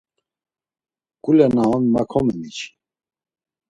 Mǩule na on ma komomeçi.